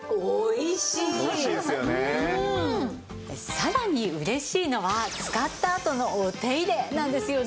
さらに嬉しいのは使ったあとのお手入れなんですよね。